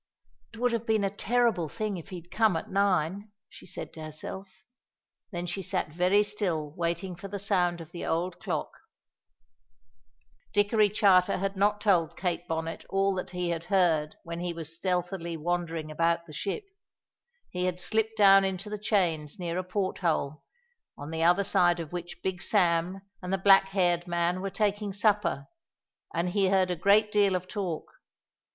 "It would have been a terrible thing if he had come at nine," she said to herself. Then she sat very still waiting for the sound of the old clock. Dickory Charter had not told Miss Kate Bonnet all that he had heard when he was stealthily wandering about the ship. He had slipped down into the chains near a port hole, on the other side of which Big Sam and the black haired man were taking supper, and he heard a great deal of talk.